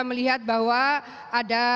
melihat bahwa ada